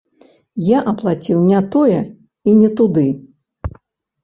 Я аплаціў не тое і не туды.